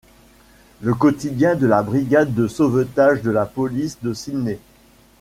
Le quotidien de la brigade de sauvetage de la police de Sydney.